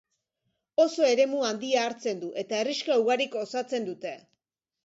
Oso eremu handia hartzen du, eta herrixka ugarik osatzen dute.